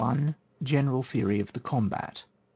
— GENERAL THEORY OF THE COMBAT.